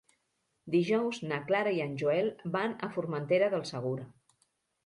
Dijous na Clara i en Joel van a Formentera del Segura.